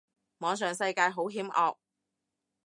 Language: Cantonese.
網上世界好險惡